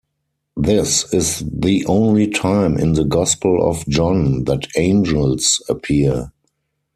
This is the only time in the Gospel of John that angels appear.